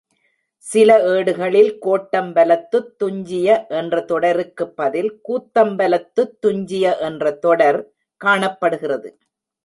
சில ஏடுகளில் கோட்டம்பலத்துத் துஞ்சிய என்ற தொடருக்குப் பதில் கூத்தம்பலத்துத் துஞ்சிய என்ற தொடர் காணப்படுகிறது.